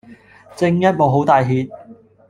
正一無好帶挈